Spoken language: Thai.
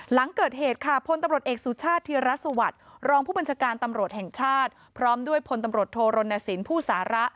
หลังเกิดเหตุค่ะพลตำรวจเอกสุชาติธิรัสสวัสดิ์รองผู้บัญชาการตำรวจแห่งชาติพร้อมด้วยพลตำรวจโทรณสินผู้สาระ